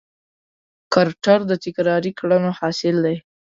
کرکټر د تکراري کړنو حاصل دی.